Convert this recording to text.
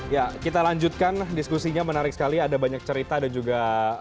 ya kita lanjutkan diskusinya menarik sekali ada banyak cerita dan juga